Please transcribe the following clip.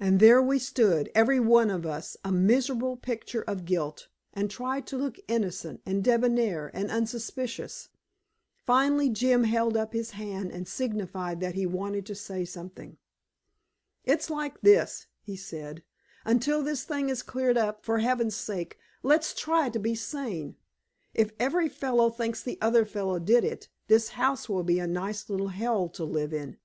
And there we stood, every one of us a miserable picture of guilt, and tried to look innocent and debonair and unsuspicious. Finally Jim held up his hand and signified that he wanted to say something. "It's like this," he said, "until this thing is cleared up, for Heaven's sake, let's try to be sane! If every fellow thinks the other fellow did it, this house will be a nice little hell to live in.